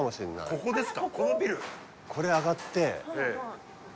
ここですか？